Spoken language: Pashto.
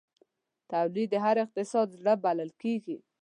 تولید د هر اقتصاد زړه بلل کېږي.